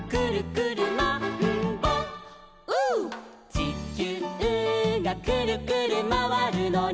「ちきゅうがくるくるまわるのに」